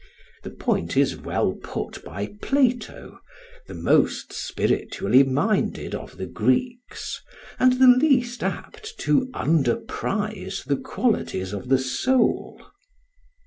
The point is well put by Plato, the most spiritually minded of the Greeks, and the least apt to underprize the qualities of the soul.